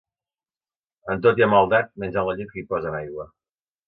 En tot hi ha maldat menys en la llet que hi posen aigua.